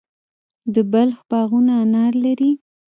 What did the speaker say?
د بلخ باغونه انار لري.